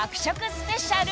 スペシャル